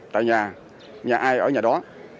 tại nhà nhà ai ở nhà đó